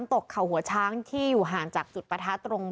และก็คือว่าถึงแม้วันนี้จะพบรอยเท้าเสียแป้งจริงไหม